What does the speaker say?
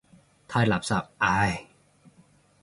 太垃圾，唉。